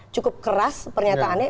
cukup keras pernyataannya